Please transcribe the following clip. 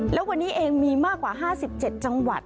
แล้ววันนี้เองมีมากกว่า๕๗จังหวัด